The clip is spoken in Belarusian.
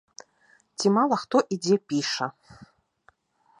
Ці мала хто і дзе піша!!